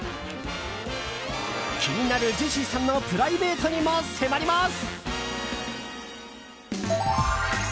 気になるジェシーさんのプライベートにも迫ります。